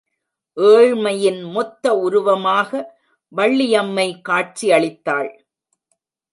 ஏழ்மையின் மொத்த உருவமாக வள்ளியம்மை காட்சி அளித்தாள்.